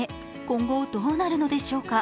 今後、どうなるのでしょうか。